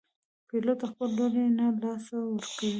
پیلوټ خپل لوری نه له لاسه ورکوي.